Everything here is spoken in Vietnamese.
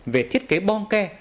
về thiết kế bom ke